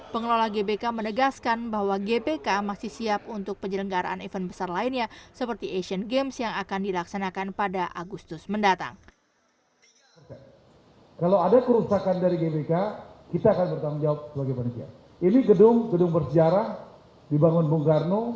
pengelola gbk menegaskan bahwa gbk masih siap untuk penyelenggaraan event besar lainnya seperti asian games yang akan dilaksanakan pada agustus mendatang